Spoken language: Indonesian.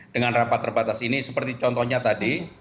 dengan rapat terbatas ini seperti contohnya tadi